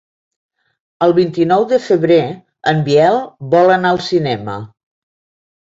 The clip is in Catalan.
El vint-i-nou de febrer en Biel vol anar al cinema.